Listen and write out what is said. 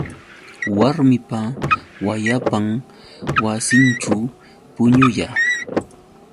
Warmipa wayapan wasinćhu puñuya.